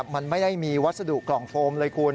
มันไม่ได้มีวัสดุกล่องโฟมเลยคุณ